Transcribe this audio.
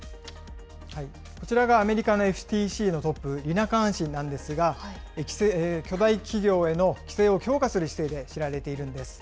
こちらがアメリカのＦＴＣのトップ、リナ・カーン氏なんですが、巨大企業への規制を強化する姿勢で知られているんです。